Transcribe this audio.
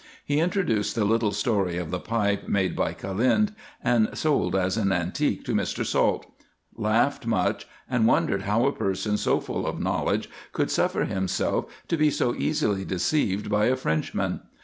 He introduced the little story of the pipe made by Caliud, and sold as an antique to Mr. Salt ; laughed much, and wondered how a person so full of knowledge could suffer himself to be so easily deceived by a Frenchman.